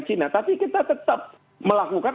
cina tapi kita tetap melakukan